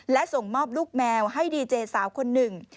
และส่งมอบลูกแมวให้ดีเจสาวคนหนึ่ง